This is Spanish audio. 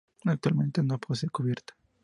Actualmente no posee cubierta.